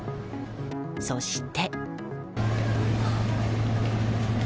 そして。